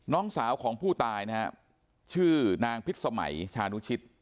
น้องสาวของผู้ตายนะครับชื่อนางพิษสมัยชานุชิต